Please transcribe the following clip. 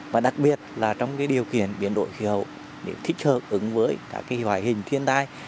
và đặc biệt là trong điều kiện biển đội khí hậu để thích hợp ứng với cả hoài hình thiên tai